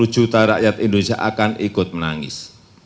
dua puluh juta rakyat indonesia akan ikut menangis